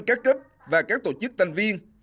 các cấp và các tổ chức thành viên